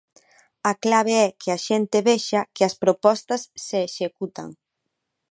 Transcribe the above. A clave é que a xente vexa que as propostas se executan.